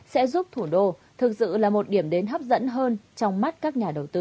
sẽ giúp thủ đô thực sự là một điểm đến hấp dẫn hơn trong mắt các nhà đầu tư